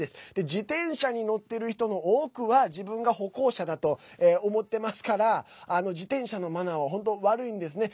自転車に乗ってる人の多くは自分が歩行者だと思ってますから自転車のマナーは本当、悪いんですね。